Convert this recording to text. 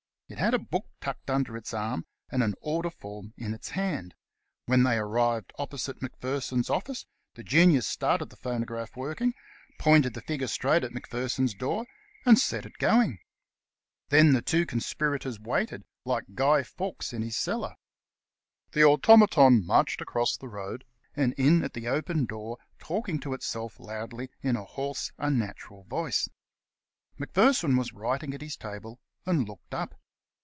It had a book tucked under its arm and an order form in its hand. When they arrived opposite Macpherson's office, the Genius started the phonograph working, pointed the figure straight at Macpherson's door, 26 The CasUiron Canvasser and set it going. Then the two conspirators waited, like Guy Fawkes in his cellar. The automaton marched across the road and in at the open door, talking to itself loudly in a hoarse, unnatural voice. Macpherson was writing at his table, and looked up.